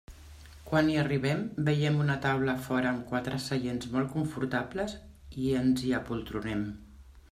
Quan hi arribem, veiem una taula a fora amb quatre seients molt confortables i ens hi apoltronem.